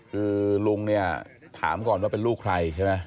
คือลุงเนี่ยถามก่อนว่าเป็นลูกใครใช่ไหม